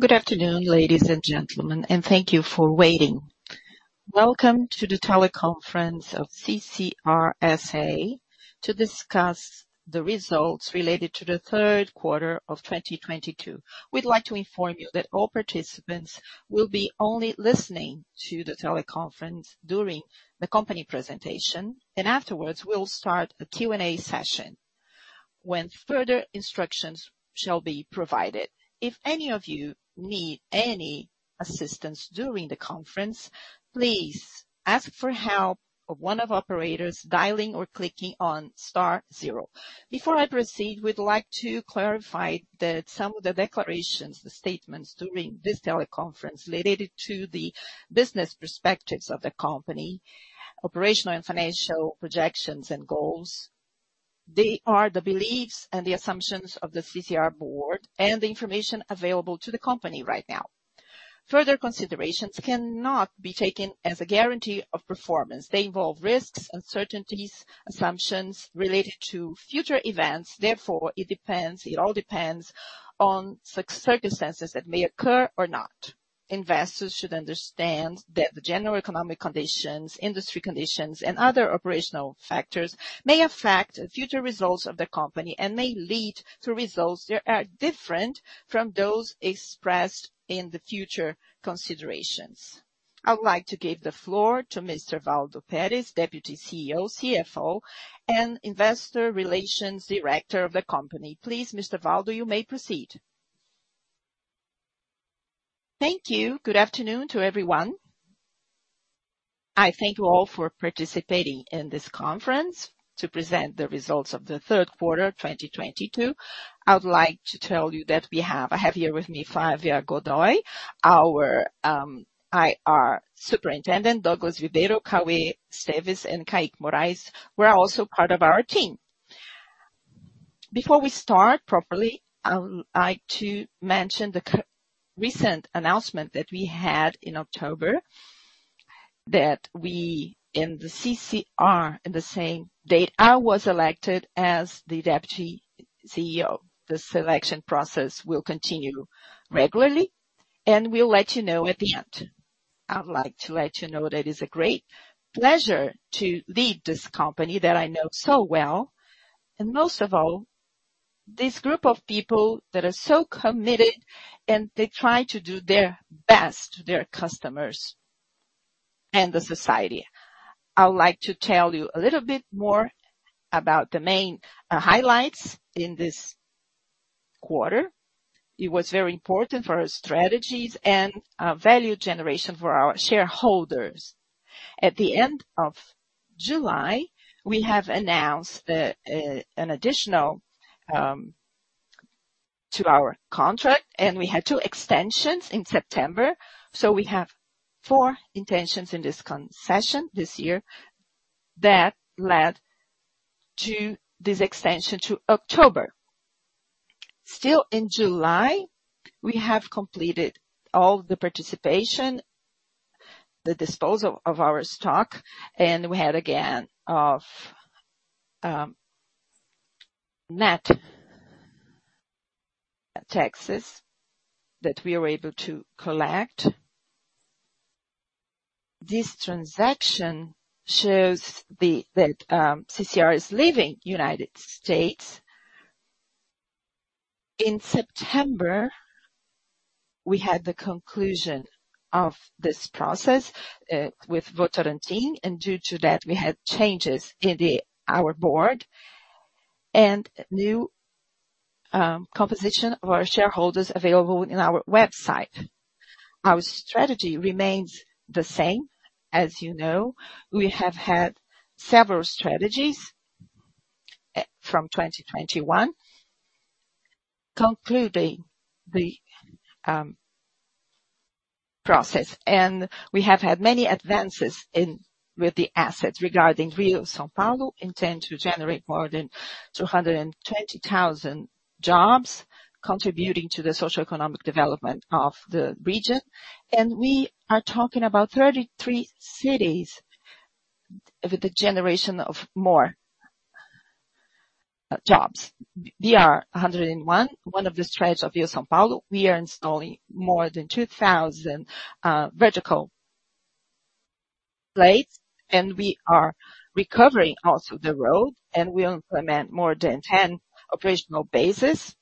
Good afternoon, ladies and gentlemen, and thank you for waiting. Welcome to the teleconference of CCR S.A. to discuss the results related to the third quarter of 2022. We'd like to inform you that all participants will be only listening to the teleconference during the company presentation. Afterwards, we'll start a Q&A session when further instructions shall be provided. If any of you need any assistance during the conference, please ask for help of one of operators dialing or clicking on star zero. Before I proceed, we'd like to clarify that some of the declarations, the statements during this teleconference related to the business perspectives of the company, operational and financial projections, and goals. They are the beliefs and the assumptions of the CCR Board and the information available to the company right now. Further considerations cannot be taken as a guarantee of performance. They involve risks, uncertainties, assumptions related to future events. Therefore, it all depends on circumstances that may occur or not. Investors should understand that the general economic conditions, industry conditions, and other operational factors may affect future results of the company and may lead to results that are different from those expressed in the future considerations. I would like to give the floor to Mr. Waldo Perez, Deputy CEO, CFO, and Investor Relations Director of the company. Please, Mr. Waldo, you may proceed. Thank you. Good afternoon to everyone. I thank you all for participating in this conference to present the results of the third quarter 2022. I would like to tell you that I have here with me Flávia Godoy, our IR Superintendent, Douglas Ribeiro, Cauê Esteves, and Caique Moraes were also part of our team. Before we start properly, I would like to mention the recent announcement that we had in October, that we in the CCR, on the same date, I was elected as the Deputy CEO. The selection process will continue regularly, and we'll let you know at the end. I would like to let you know that it's a great pleasure to lead this company that I know so well, and most of all, this group of people that are so committed, and they try to do their best to their customers and the society. I would like to tell you a little bit more about the main highlights in this quarter. It was very important for our strategies and value generation for our shareholders. At the end of July, we announced an additional extension to our contract, and we had two extensions in September, so we have four extensions in this concession this year that led to this extension to October. Still in July, we completed the participation in the disposal of our stock, and we had a gain of net taxes that we were able to collect. This transaction shows that CCR is leaving the United States. In September, we had the conclusion of this process with Votorantim, and due to that, we had changes in our Board and new composition of our shareholders available in our website. Our strategy remains the same. As you know, we have had several strategies from 2021 concluding the process. We have had many advances with the assets regarding Rio-São Paulo that intend to generate more than 220,000 jobs, contributing to the socio-economic development of the region. We are talking about 33 cities with the generation of more jobs. We are 101, one of the stretch of Rio-São Paulo. We are installing more than 2,000 vertical plates, and we are recovering also the road, and we implement more than 10 operational bases.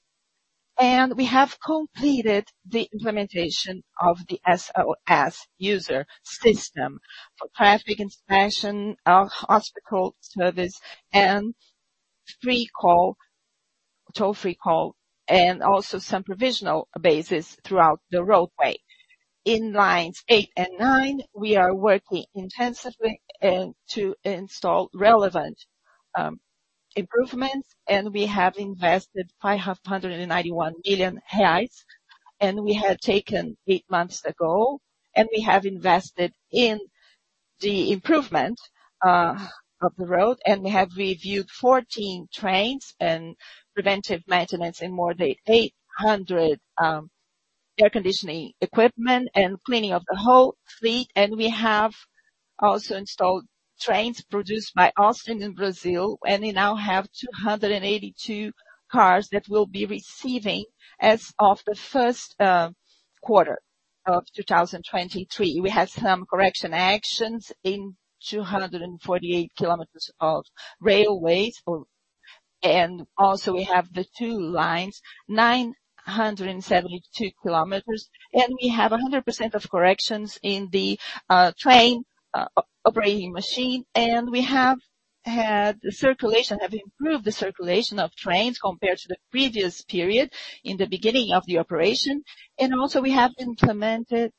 We have completed the implementation of the SOS Usuário system for traffic inspection, hospital service, and toll-free call, and also some provisional bases throughout the roadway. In Line 8 and 9, we are working intensively to install relevant improvements, and we have invested 591 million reais, and we have taken eight months ago, and we have invested in the improvement of the road, and we have reviewed 14 trains and preventive maintenance in more than 800 air conditioning equipment and cleaning of the whole fleet. We have also installed trains produced by Alstom in Brazil, and they now have 282 cars that we'll be receiving as of the first quarter of 2023. We have some corrective actions in 248 km of railways. We also have the two lines, 972 km, and we have 100% of corrections in the train operating machine. We have improved the circulation of trains compared to the previous period in the beginning of the operation. We have implemented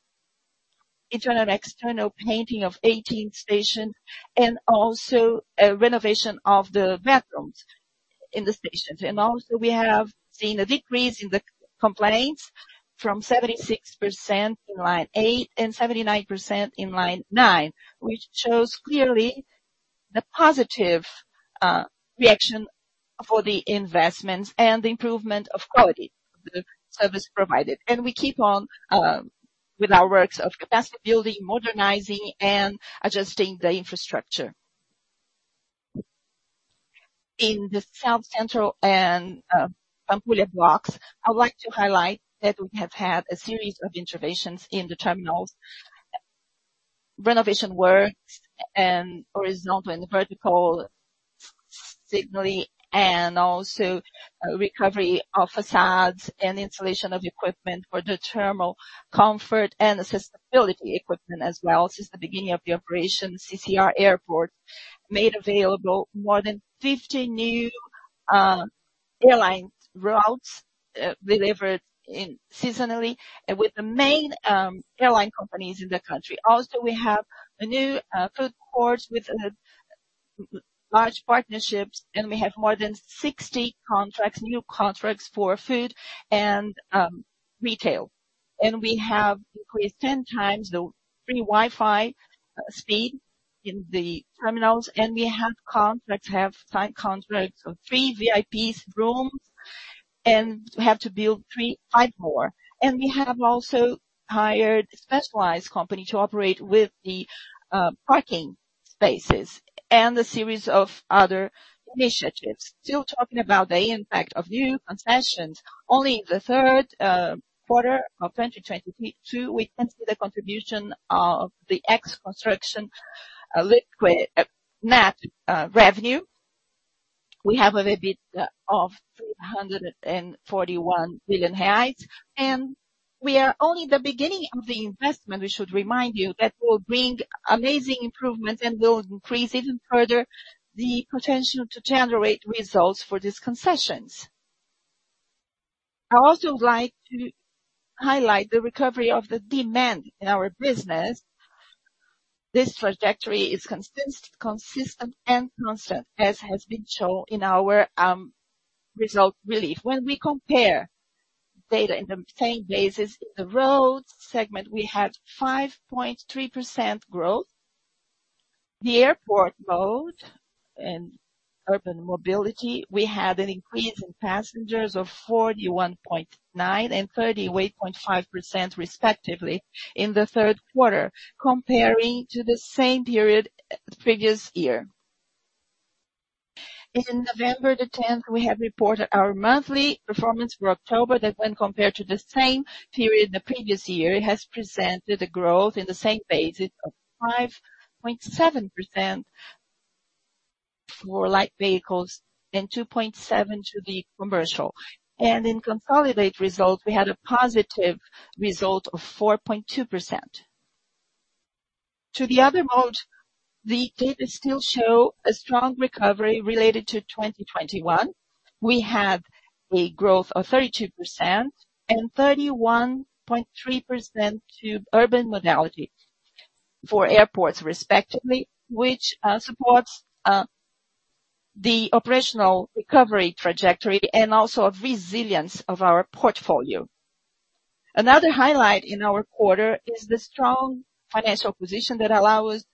internal and external painting of 18 stations and also a renovation of the bathrooms in the stations. We have seen a decrease in the complaints from 76% in Line 8 and 79% in Line 9, which shows clearly the positive reaction for the investments and the improvement of quality of the service provided. We keep on with our works of capacity building, modernizing, and adjusting the infrastructure. In the South, Central, and Pampulha blocks, I would like to highlight that we have had a series of interventions in the terminals. Renovation works and horizontal and vertical signaling and also recovery of facades and installation of equipment for the terminal comfort and accessibility equipment as well. Since the beginning of the operation, CCR Aeroportos made available more than 50 new airline routes, delivered seasonally and with the main airline companies in the country. Also, we have a new food court with large partnerships, and we have more than 60 new contracts for food and retail. We have increased 10 times the free Wi-Fi speed in the terminals, and we have signed contracts for three VIP rooms and have to build five more. We have also hired a specialized company to operate with the parking spaces and a series of other initiatives. Still talking about the impact of new concessions, only in the third quarter of 2022, we can see the contribution of the new concessions to net revenue. We have an EBITDA of 341 million, and we are only at the beginning of the investment. We should remind you that it will bring amazing improvements and will increase even further the potential to generate results for these concessions. I also would like to highlight the recovery of the demand in our business. This trajectory is consistent and constant, as has been shown in our results release. When we compare data in the same basis, the roads segment, we had 5.3% growth. The airport mode and urban mobility, we had an increase in passengers of 41.9% and 38.5% respectively in the third quarter, comparing to the same period previous year. In November the 10th, we have reported our monthly performance for October that, when compared to the same period the previous year, it has presented a growth in the same basis of 5.7% for light vehicles and 2.7% to the commercial. In consolidated results, we had a positive result of 4.2%. To the other mode, the data still show a strong recovery related to 2021. We have a growth of 32% and 31.3% to urban modality for airports respectively, which supports the operational recovery trajectory and also a resilience of our portfolio. Another highlight in our quarter is the strong financial position that allow us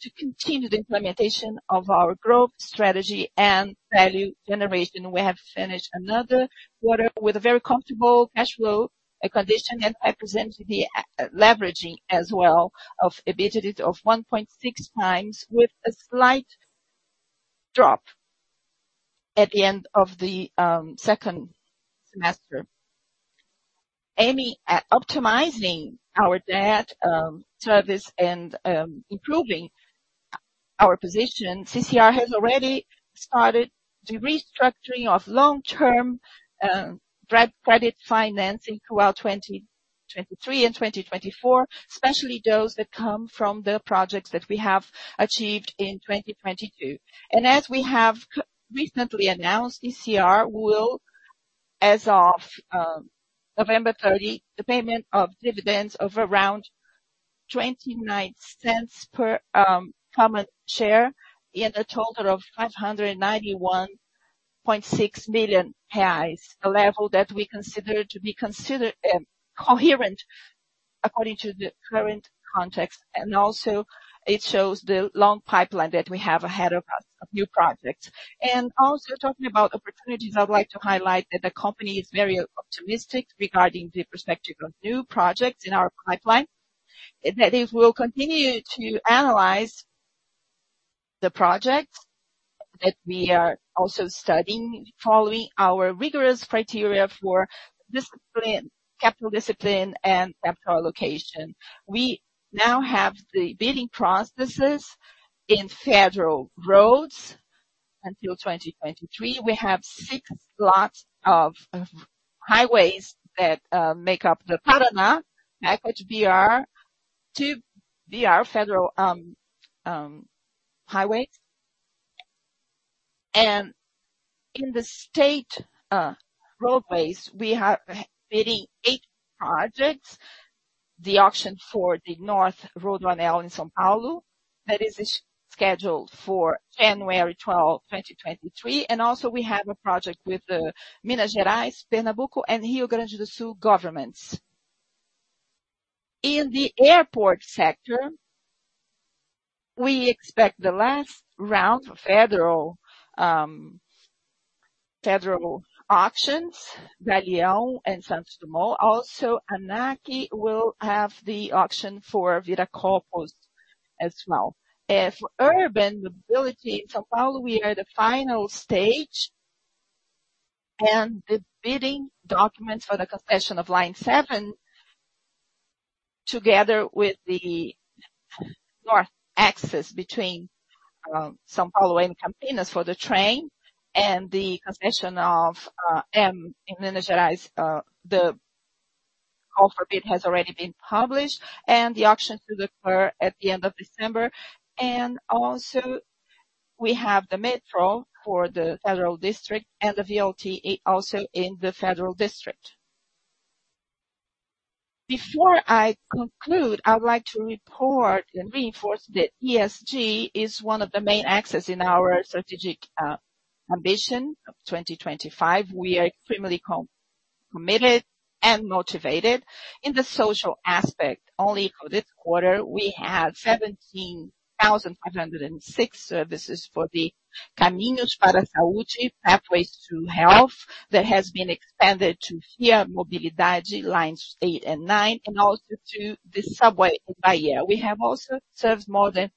to continue the implementation of our growth strategy and value generation. We have finished another quarter with a very comfortable cash flow acquisition, and I presented the leveraging as well of EBITDA of 1.6x with a slight drop at the end of the second semester. Aiming at optimizing our debt service and improving our position, CCR has already started the restructuring of long-term credit financing throughout 2023 and 2024, especially those that come from the projects that we have achieved in 2022. As we have recently announced, CCR will, as of November 30, the payment of dividends of around 0.29 per common share in a total of 591.6 million reais, a level that we consider to be coherent according to the current context, and also it shows the long pipeline that we have ahead of us of new projects. Also talking about opportunities, I would like to highlight that the company is very optimistic regarding the prospects of new projects in our pipeline. That is, we'll continue to analyze the project that we are also studying following our rigorous criteria for capital discipline and capital allocation. We now have the bidding processes in federal roads until 2023. We have six lots of highways that make up the Paraná, BR to BR federal highways. In the state roadways, we have bidding eight projects. The auction for the North Rodoanel in São Paulo, that is scheduled for January 12, 2023. Also we have a project with the Minas Gerais, Pernambuco, and Rio Grande do Sul governments. In the airport sector, we expect the last round of federal auctions, Galeão and Santos Dumont. ANAC will have the auction for Viracopos as well. As urban mobility in São Paulo, we are at the final stage and the bidding documents for the concession of Line 7, together with the North access between São Paulo and Campinas for the train and the concession of M de Minas Gerais, the call for bid has already been published and the auction to occur at the end of December. We have the Metro for the Federal District and the VLT also in the Federal District. Before I conclude, I would like to report and reinforce that ESG is one of the main axes in our strategic ambition of 2025. We are extremely committed and motivated in the social aspect. Only for this quarter, we had 17,506 services for the Caminhos para a Saúde, Pathways to Health, that has been expanded to ViaMobilidade Lines 8 and 9, and also to the subway in Bahia. We have also served more than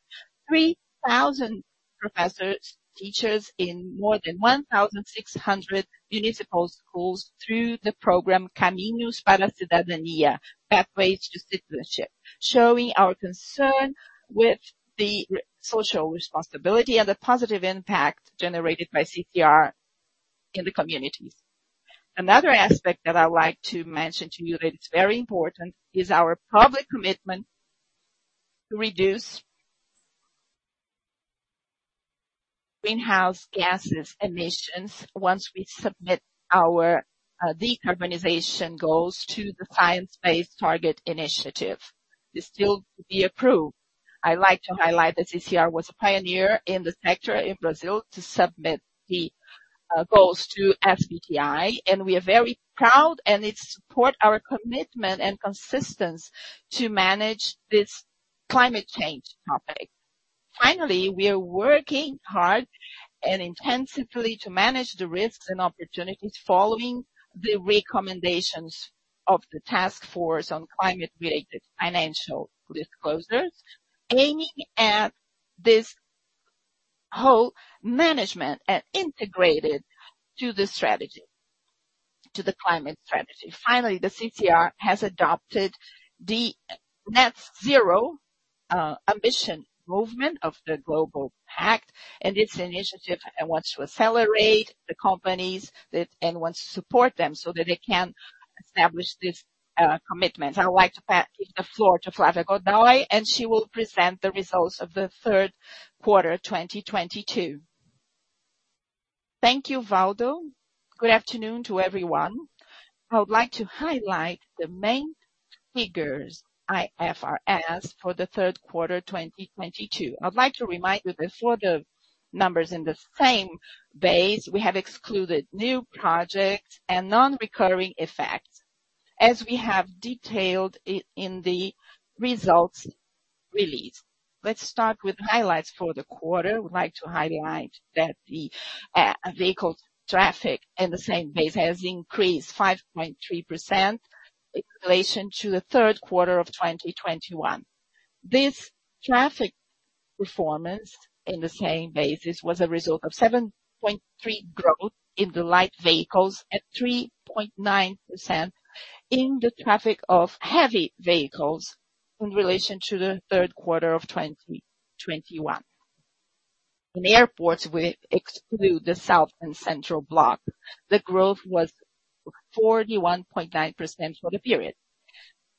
3,000 professors, teachers in more than 1,600 municipal schools through the program Caminhos para a Cidadania, Pathways to Citizenship, showing our concern with the social responsibility and the positive impact generated by CCR in the communities. Another aspect that I would like to mention to you that it's very important is our public commitment to reduce greenhouse gas emissions once we submit our decarbonization goals to the Science Based Targets initiative is still to be approved. I like to highlight that CCR was a pioneer in the sector in Brazil to submit the goals to SBTI, and we are very proud, and it support our commitment and consistency to manage this climate change topic. Finally, we are working hard and intensively to manage the risks and opportunities following the recommendations of the Task Force on Climate-Related Financial Disclosures, aiming at this whole management and integrated to the strategy, to the climate strategy. Finally, CCR has adopted the net zero ambition movement of the Global Compact and its initiative and wants to accelerate the companies and wants to support them so that they can establish this commitment. I'd like to pass the floor to Flávia Godoy, and she will present the results of the third quarter 2022. Thank you, Waldo. Good afternoon to everyone. I would like to highlight the main figures IFRS for the third quarter 2022. I'd like to remind you that for the numbers in the same base, we have excluded new projects and non-recurring effects, as we have detailed in the results released. Let's start with highlights for the quarter. We'd like to highlight that the vehicle traffic in the same base has increased 5.3% in relation to the third quarter of 2021. This traffic performance in the same basis was a result of 7.3% growth in the light vehicles and 3.9% in the traffic of heavy vehicles in relation to the third quarter of 2021. In airports, we exclude the South and Central block. The growth was 41.9% for the period.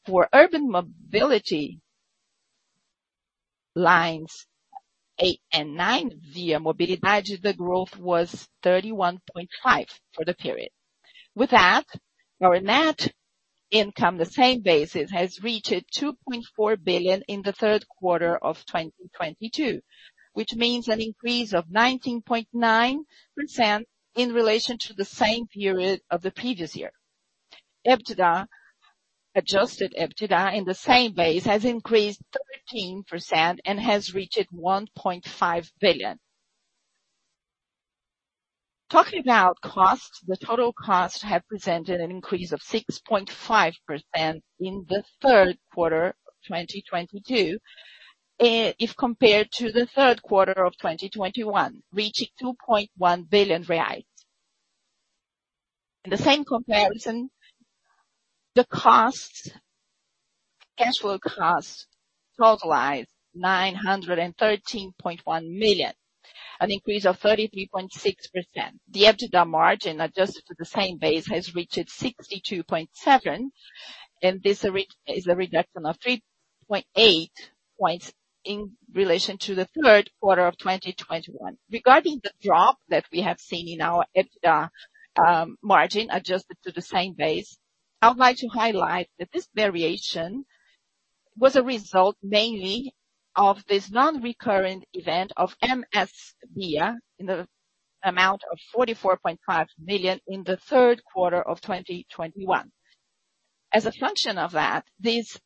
For urban mobility Lines 8 and 9, ViaMobilidade, the growth was 31.5% for the period. With that, our net income on the same basis has reached 2.4 billion in the third quarter of 2022, which means an increase of 19.9% in relation to the same period of the previous year. EBITDA, Adjusted EBITDA on the same basis has increased 13% and has reached 1.5 billion. Talking about costs, the total costs have presented an increase of 6.5% in the third quarter of 2022, if compared to the third quarter of 2021, reaching 2.1 billion reais. In the same comparison, the costs, cash flow costs totalize 913.1 million, an increase of 33.6%. The EBITDA margin, adjusted for the same base, has reached 62.7%, and this is a reduction of 3.8 points in relation to the third quarter of 2021. Regarding the drop that we have seen in our EBITDA margin, adjusted to the same base, I would like to highlight that this variation was a result mainly of this non-recurrent event of MSVia in the amount of 44.5 million in the third quarter of 2021. As a function of that, this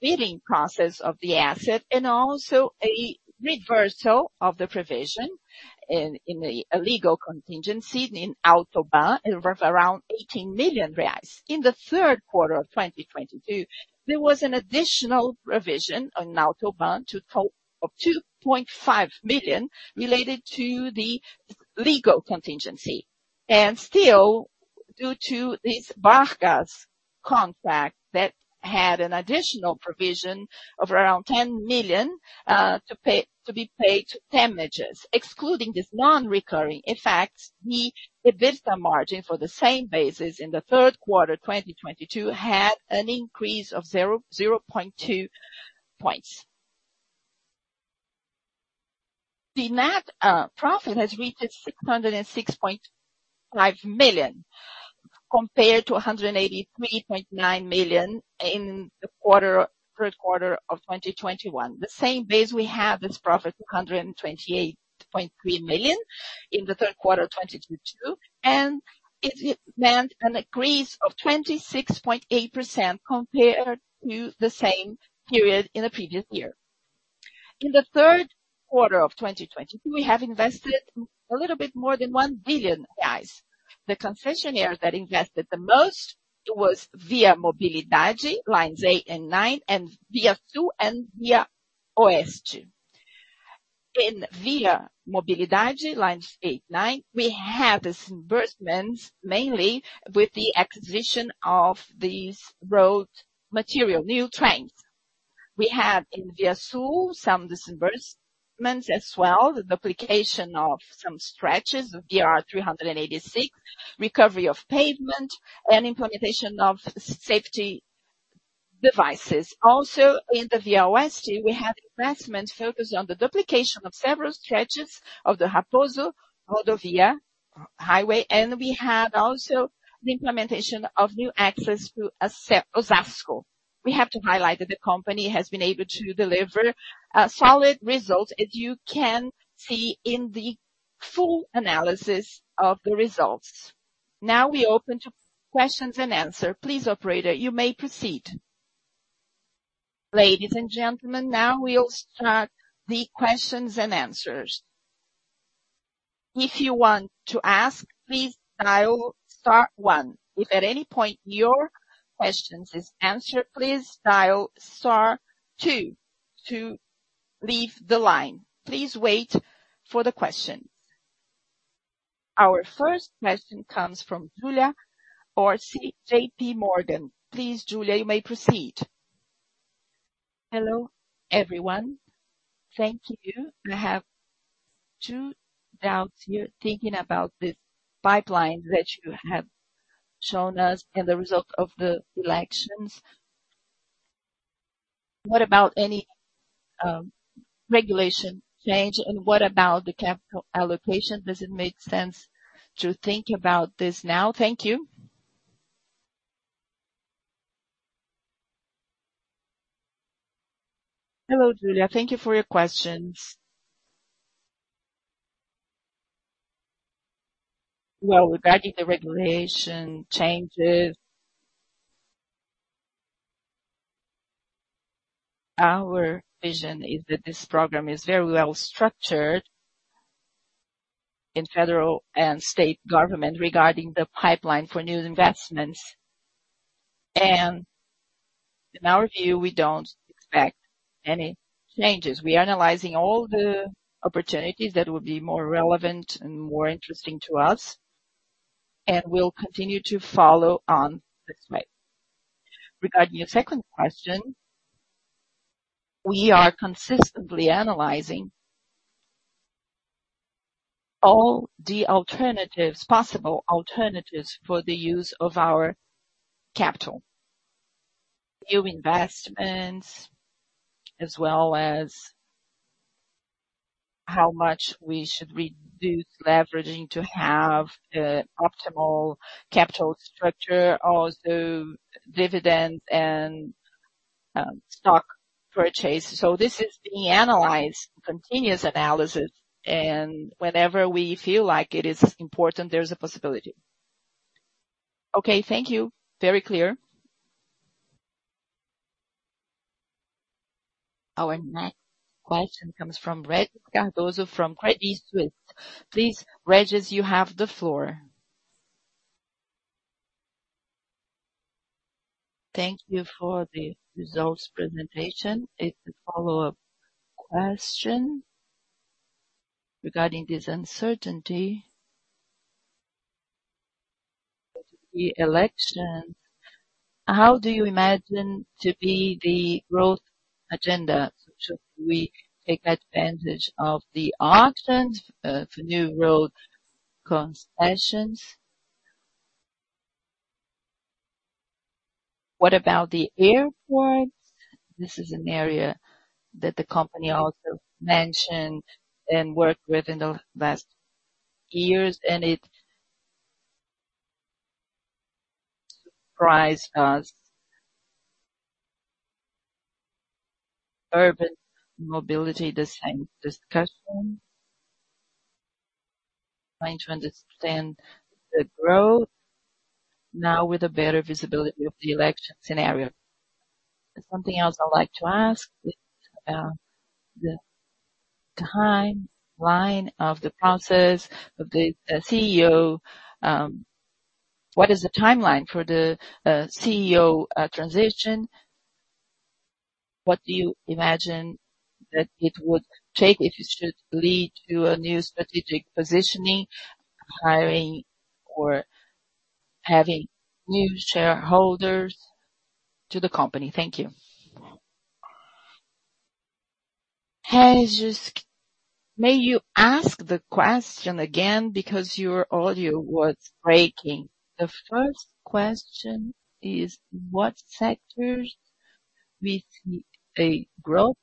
re-bidding process of the asset and also a reversal of the provision in a legal contingency in Autoban worth around 18 million reais. In the third quarter of 2022, there was an additional provision on Autoban totaling 2.5 million related to the legal contingency. Still, due to this BARCAS contract that had an additional provision of around 10 million to be paid to damages. Excluding this non-recurring effects, the EBITDA margin for the same basis in the third quarter 2022 had an increase of 0.2 points. The net profit has reached 606.5 million, compared to 183.9 million in the third quarter of 2021. The same base we have is profit 228.3 million in the third quarter of 2022, and it meant an increase of 26.8% compared to the same period in the previous year. In the third quarter of 2020, we have invested a little bit more than 1 billion reais. The concessionaire that invested the most was ViaMobilidade, Lines 8 and 9, and ViaSul and ViaOeste. In ViaMobilidade, Lines 8 and 9, we have disbursements mainly with the acquisition of these rolling material, new trains. We have in ViaSul some disbursements as well, the duplication of some stretches of BR-386, recovery of pavement and implementation of safety devices. In the ViaOeste, we have investment focused on the duplication of several stretches of Raposo Rodovia highway, and we have also the implementation of new access to Osasco. We have to highlight that the company has been able to deliver solid results, as you can see in the full analysis of the results. Now we open to questions and answers. Please, operator, you may proceed. Ladies and gentlemen, now we'll start the questions and answers. If you want to ask, please dial star one. If at any point your question is answered, please dial star two to leave the line. Please wait for the question. Our first question comes from Julia Orsi, JPMorgan. Please, Julia, you may proceed. Hello, everyone. Thank you. I have two doubts here, thinking about the pipeline that you have shown us and the result of the elections. What about any regulation change, and what about the capital allocation? Does it make sense to think about this now? Thank you. Hello, Julia. Thank you for your questions. Well, regarding the regulation changes, our vision is that this program is very well structured in federal and state government regarding the pipeline for new investments. In our view, we don't expect any changes. We are analyzing all the opportunities that will be more relevant and more interesting to us, and we'll continue to follow on this way. Regarding your second question, we are consistently analyzing all the alternatives, possible alternatives for the use of our capital. New investments, as well as how much we should reduce leveraging to have the optimal capital structure, also dividends and stock purchase. This is being analyzed, continuous analysis, and whenever we feel like it is important, there is a possibility. Okay, thank you. Very clear. Our next question comes from Regis Cardoso from Credit Suisse. Please, Regis, you have the floor. Thank you for the results presentation. It's a follow-up question regarding this uncertainty of the election. How do you imagine to be the growth agenda? Should we take advantage of the auctions for new road concessions? What about the airports? This is an area that the company also mentioned and worked with in the last years, and it surprised us. Urban mobility, the same discussion. Trying to understand the growth now with a better visibility of the election scenario. Something else I'd like to ask is the timeline of the process of the CEO transition. What is the timeline for the CEO transition? What do you imagine that it would take if it should lead to a new strategic positioning, hiring or having new shareholders to the company? Thank you. Regis, may you ask the question again because your audio was breaking. The first question is what sectors we see a growth,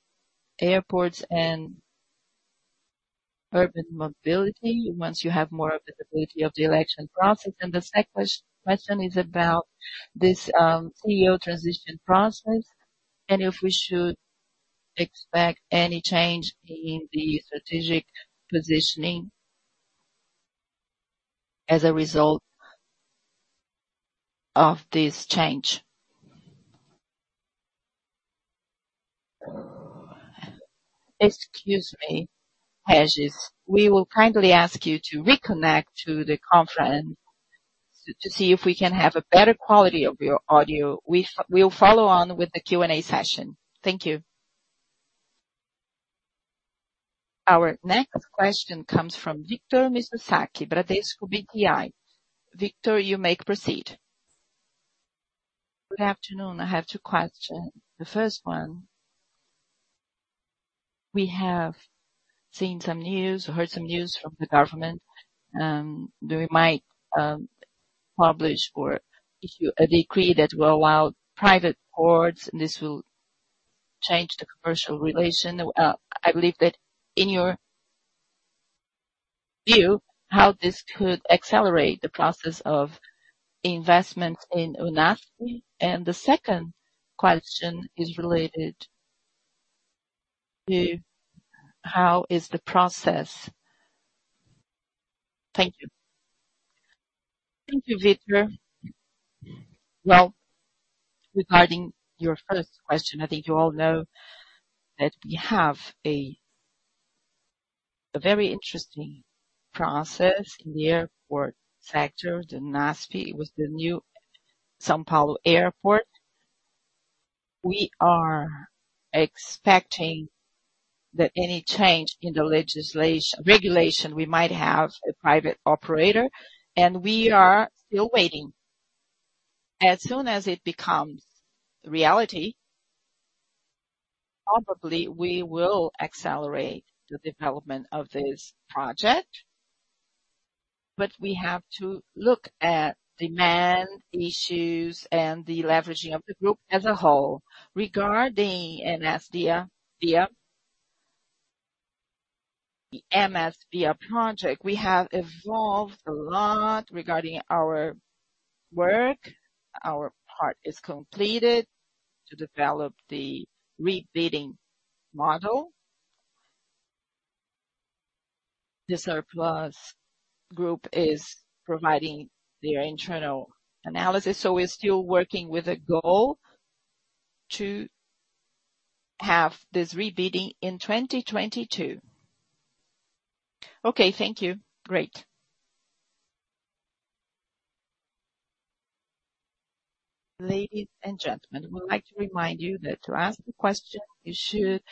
airports and urban mobility, once you have more visibility of the election process. The second question is about this CEO transition process, and if we should expect any change in the strategic positioning as a result of this change. Excuse me, Regis. We will kindly ask you to reconnect to the conference to see if we can have a better quality of your audio. We will follow on with the Q&A session. Thank you. Our next question comes from Victor Mizusaki, Bradesco BBI. Victor, you may proceed. Good afternoon. I have two questions. The first one, we have seen some news or heard some news from the government, they might publish or issue a decree that will allow private ports, and this will change the commercial relation. I believe that in your view, how this could accelerate the process of investment in NASP. The second question is related to how is the process. Thank you. Thank you, Victor. Well, regarding your first question, I think you all know that we have a very interesting process in the airport sector, the NASP, it was the New São Paulo Airport. We are expecting that any change in the regulation, we might have a private operator, and we are still waiting. As soon as it becomes reality, probably we will accelerate the development of this project. But we have to look at demand issues and the leveraging of the group as a whole. Regarding MSVia via the MSVia project, we have evolved a lot regarding our work. Our part is completed to develop the re-bidding model. The surplus group is providing their internal analysis, so we're still working with a goal to have this re-bidding in 2022. Okay. Thank you. Great. Ladies and gentlemen, I would like to remind you that to ask a question, you should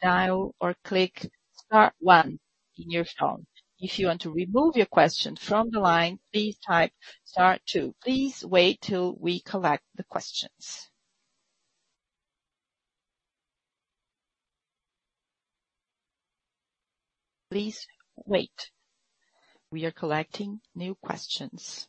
dial or click star one in your phone. If you want to remove your question from the line, please type star two. Please wait till we collect the questions. Please wait. We are collecting new questions.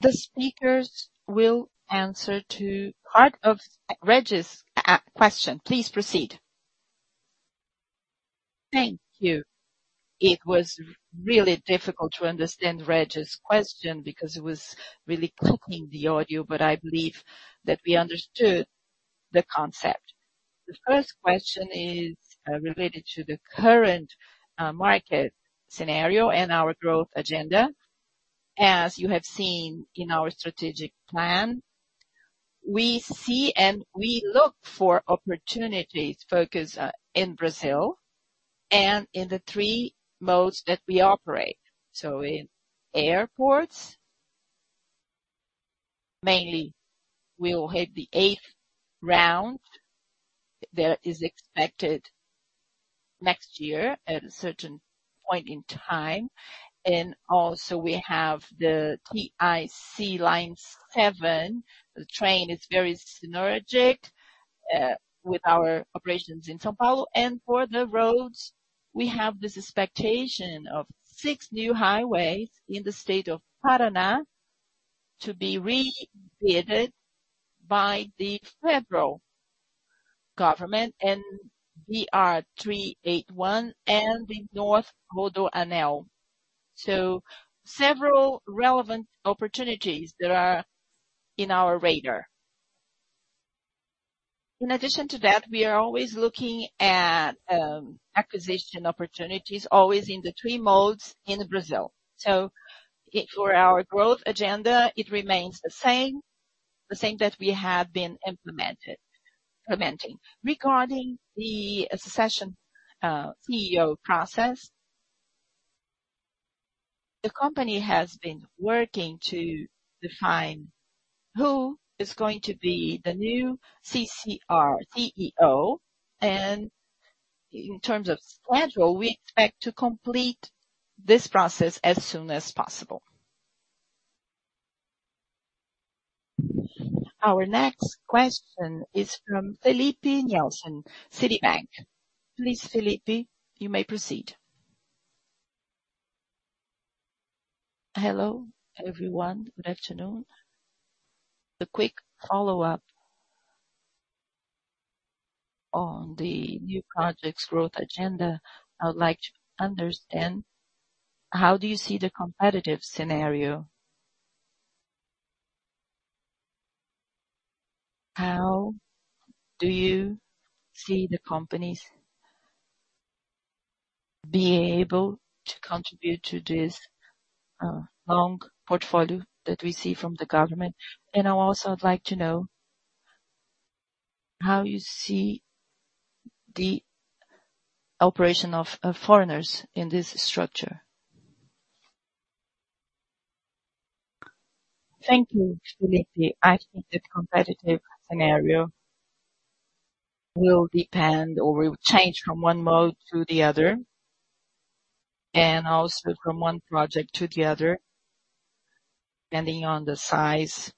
The speakers will answer part of Regis's question. Please proceed. Thank you. It was really difficult to understand Regis's question because it was really cutting the audio, but I believe that we understood the concept. The first question is related to the current market scenario and our growth agenda. As you have seen in our strategic plan, we see and we look for opportunities focused in Brazil and in the three modes that we operate. In airports, mainly, we will hit the eighth round that is expected next year at a certain point in time. We also have the TIC Line 7. The train is very synergistic with our operations in São Paulo. For the roads, we have this expectation of six new highways in the state of Paraná to be re-bid by the federal government and BR-381 and the North Rodoanel. Several relevant opportunities that are on our radar. In addition to that, we are always looking at acquisition opportunities, always in the three modes in Brazil. For our growth agenda, it remains the same, the same that we have been implementing. Regarding the succession CEO process, the company has been working to define who is going to be the new CCR CEO. In terms of schedule, we expect to complete this process as soon as possible. Our next question is from Filipe Nielsen, Citibank. Please, Filipe, you may proceed. Hello, everyone. Good afternoon. The quick follow-up on the new projects growth agenda, I would like to understand how do you see the competitive scenario. How do you see the companies be able to contribute to this, long portfolio that we see from the government? I also would like to know how you see the operation of, foreigners in this structure. Thank you, Filipe. I think the competitive scenario will depend or will change from one mode to the other, and also from one project to the other, depending on the size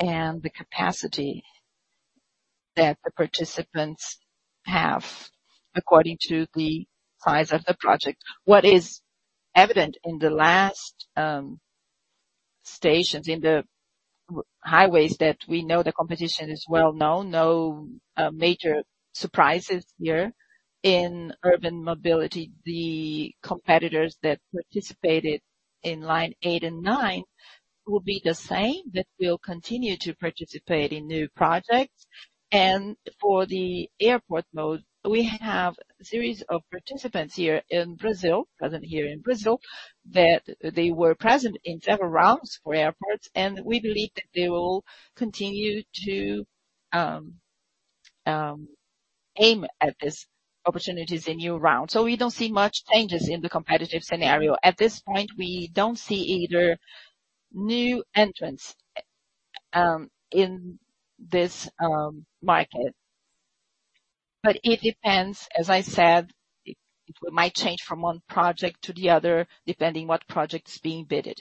and the capacity that the participants have according to the size of the project. What is evident in the last [stage] in the highways that we know the competition is well known. No major surprises here. In urban mobility, the competitors that participated in Lines 8 and 9 will be the same that will continue to participate in new projects. For the airport mode, we have a series of participants here in Brazil that they were present in several rounds for airports, and we believe that they will continue to aim at these opportunities in new rounds. We don't see much changes in the competitive scenario. At this point, we don't see either new entrants in this market. It depends, as I said, it might change from one project to the other, depending what project is being bid.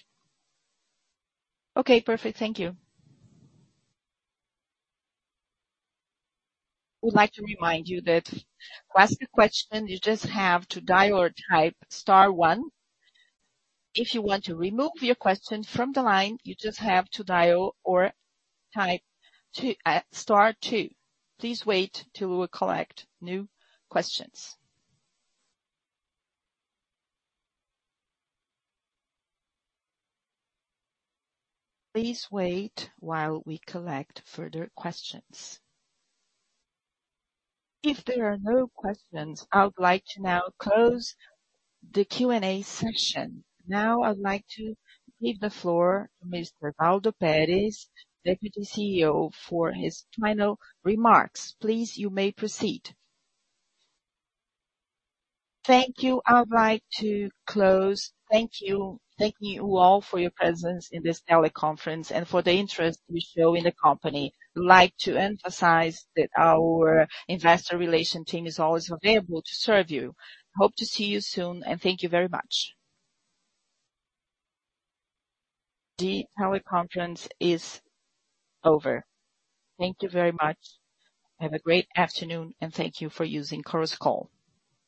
Okay, perfect. Thank you. Would like to remind you that to ask a question, you just have to dial or type star one. If you want to remove your question from the line, you just have to dial or type two, star two. Please wait till we collect new questions. Please wait while we collect further questions. If there are no questions, I would like to now close the Q&A session. Now, I'd like to leave the floor to Mr. Waldo Perez, Deputy CEO, for his final remarks. Please, you may proceed. Thank you. I would like to close. Thank you. Thank you all for your presence in this teleconference and for the interest you show in the company. I'd like to emphasize that our Investor Relations team is always available to serve you. Hope to see you soon, and thank you very much. The teleconference is over. Thank you very much. Have a great afternoon, and thank you for using Chorus Call.